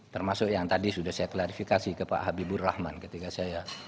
termasuk yang tadi sudah saya klarifikasi ke pak habibur rahman ketika saya